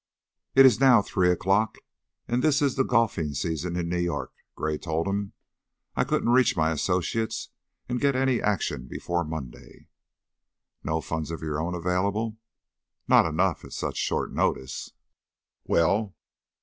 "It is now three o'clock and this is the golfing season in New York," Gray told him. "I couldn't reach my associates and get any action before Monday." "No funds of your own available?" "Not enough, at such short notice." "Well?"